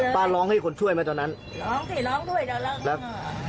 ป้าร้องให้คนช่วยมาตอนนั้นร้องสิร้องด้วยแล้วแล้วอ๋อ